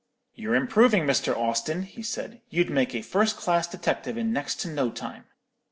"'You're improving, Mr. Austin,' he said; 'you'd make a first class detective in next to no time.'